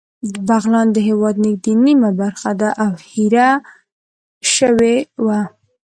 بغلان د هېواد نږدې نیمه برخه ده او هېره شوې وه